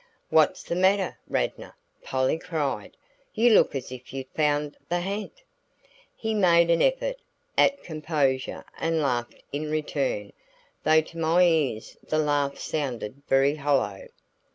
"What's the matter, Radnor?" Polly cried. "You look as if you'd found the ha'nt!" He made an effort at composure and laughed in return, though to my ears the laugh sounded very hollow.